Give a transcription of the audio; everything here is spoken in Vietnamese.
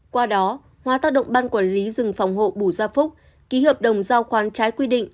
qua đó hóa tác động ban quản lý rừng phòng hộ bù gia phúc ký hợp đồng giao khoán trái quy định